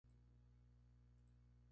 Son conocidos como falsos dientes de sable.